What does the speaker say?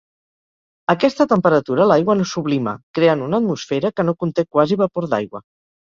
A aquesta temperatura l'aigua no sublima, creant una atmosfera que no conté quasi vapor d'aigua.